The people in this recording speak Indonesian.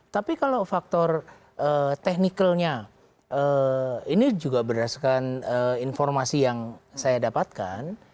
tapi kalau faktor technicalnya ini juga berdasarkan informasi yang saya dapatkan